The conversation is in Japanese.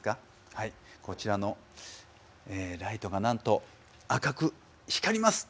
はいこちらのライトがなんと赤く光ります！